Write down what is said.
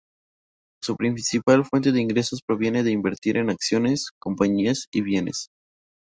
Su principal fuente de ingresos proviene de invertir en acciones, compañías y bienes.